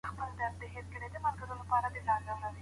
لوی عزتونه یوازي په پخواني مهارت پوري نه تړل کېږي.